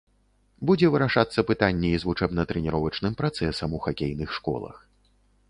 Будзе вырашацца пытанне і з вучэбна-трэніровачным працэсам у хакейных школах.